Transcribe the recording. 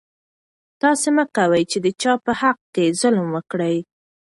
تاسو مه کوئ چې د چا په حق کې ظلم وکړئ.